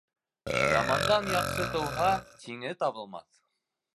Ямандан яҡшы тыуһа, тиңе табылмаҫ.